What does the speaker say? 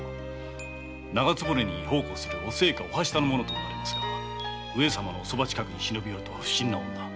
長局に奉公する御端の者と思われますが上様のお側近くに忍び寄るとは不審な女。